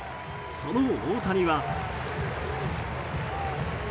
その大谷は。